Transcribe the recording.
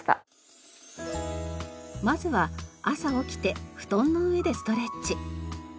まずは朝起きて布団の上でストレッチ。